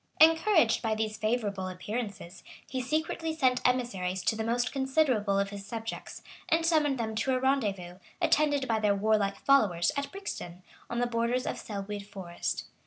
Encouraged by these favorable appearances, he secretly sent emissaries to the most considerable of his subjects, and summoned them to a rendezvous, attended by their warlike followers, at Brixton, on the borders of Selwood Forest.